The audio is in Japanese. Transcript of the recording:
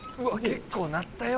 結構鳴ったよ。